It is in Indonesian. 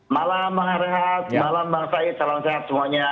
malam bang rehat malam bang said salam sehat semuanya